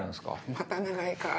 また長いかぁ。